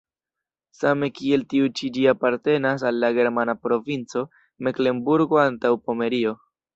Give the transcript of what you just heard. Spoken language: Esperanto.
Same kiel tiu ĉi ĝi apartenas al la germana provinco Meklenburgo-Antaŭpomerio.